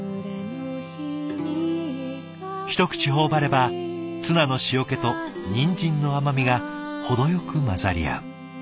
一口頬張ればツナの塩気とにんじんの甘みが程よく混ざり合う。